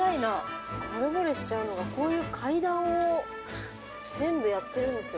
ほれぼれしちゃうのがこういう階段を全部やってるんですよ。